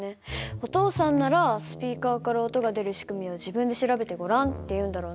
お父さんなら「スピーカーから音が出る仕組みを自分で調べてごらん」って言うんだろうな。